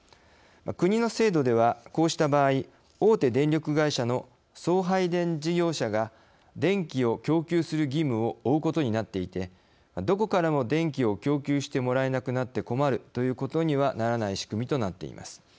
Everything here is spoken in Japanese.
国の制度では、こうした場合大手電力会社の送配電事業者が電気を供給する義務を負うことになっていて、どこからも電気を供給してもらえなくなって困るということにはならない仕組みとなっています。